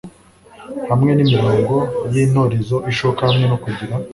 Hamwe nimirongo yintorezoishoka hamwe no kugira